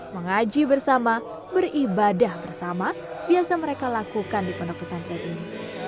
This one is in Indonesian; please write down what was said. mengaji bersama beribadah bersama biasa mereka lakukan di pondok pesantren ini